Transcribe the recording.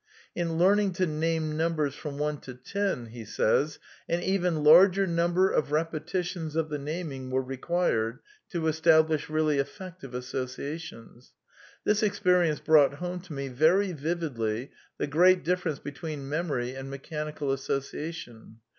In learning to name num bers from one to ten '' an even larger number of repetitions of the naming were re quired to establish really effective associations. " This experience brought home to me very vividly the great rSifference between memory and mechanical association.